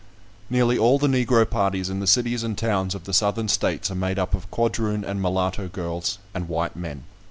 Nearly all the Negro parties in the cities and towns of the Southern States are made up of quadroon and mulatto girls, and white men.